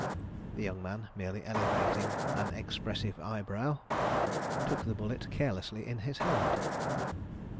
The young man, merely elevating an expressive eyebrow, took the bullet carelessly in his hand.